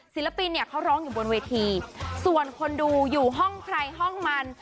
ศิลปินเนี่ยเขาร้องอยู่บนเวทีส่วนคนดูอยู่ห้องใครห้องมัน